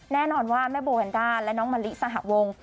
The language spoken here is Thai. แน่นอนว่าแม่โบแวนด้าและน้องมะลิสหวง